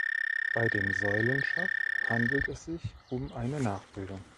Bei dem Säulenschaft handelt es sich um eine Nachbildung.